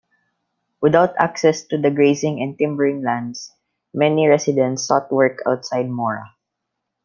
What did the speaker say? Without access to the grazing and timbering lands, many residents sought work outside Mora.